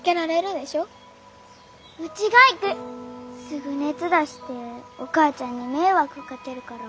すぐ熱出してお母ちゃんに迷惑かけるから。